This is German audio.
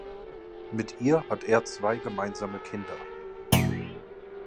Mit ihr hat er zwei gemeinsame Kinder.